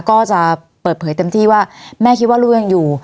ก็จะเปิดเผยเต็มที่ว่าแม่คิดว่าลูกยังอยู่